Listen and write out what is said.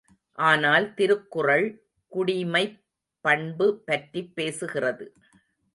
ஆனால் திருக்குறள் குடிமைப் பண்பு பற்றிப் பேசுகிறது.